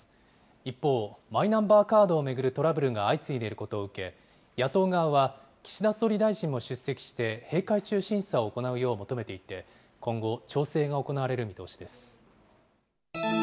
一方、マイナンバーカードを巡るトラブルが相次いでいることを受け、野党側は、岸田総理大臣も出席して閉会中審査を行うよう求めていて、今後調整が行われる見通しです。